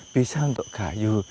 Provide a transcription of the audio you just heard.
bisa untuk kayu